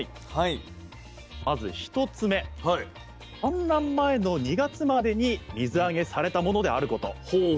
まず１つ目産卵前の２月までに水揚げされたものであること。